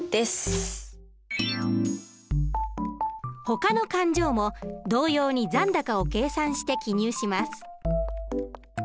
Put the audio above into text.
ほかの勘定も同様に残高を計算して記入します。